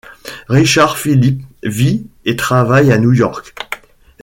Richard Phillips vit et travaille à New York.